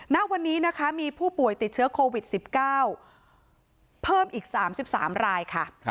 ณวันนี้มีผู้ป่วยติดเชอโควิด๑๙เพิ่มอีก๓๓ราย